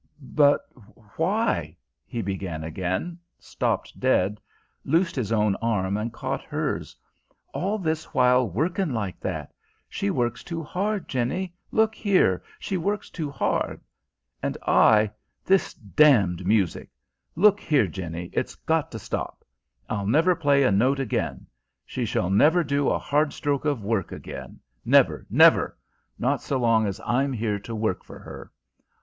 "But why " he began again; stopped dead, loosed his own arm and caught hers. "All this while workin' like that! She works too hard. Jenny, look here: she works too hard. And I this damned music! Look here, Jenny, it's got to stop! I'll never play a note again; she shall never do a hard stroke of work again; never, never not so long as I'm here to work for her.